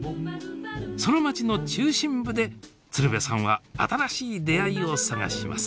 その町の中心部で鶴瓶さんは新しい出会いを探します